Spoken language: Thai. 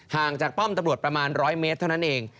ห่างจากป้อมตำรวจประมาณ๑๐๐เมตรเท่านั้นเอง